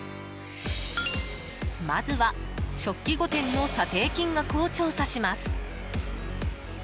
まずは食器５点の査定金額を調査します。